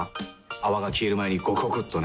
泡が消える前にゴクゴクっとね。